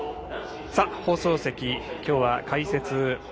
放送席、きょうは解説